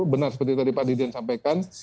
benar seperti tadi pak dirjen sampaikan